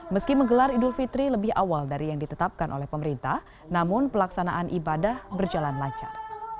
meski menggelar idul fitri lebih awal dari yang ditetapkan oleh pemerintah namun pelaksanaan ibadah berjalan lancar